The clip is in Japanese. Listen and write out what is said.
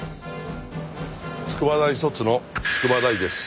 筑波大卒の筑波大です。